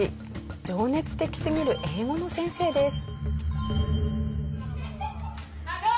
情熱的すぎる英語の先生です。